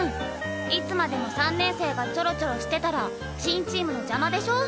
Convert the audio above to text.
いつまでも３年生がちょろちょろしてたら新チームの邪魔でしょ。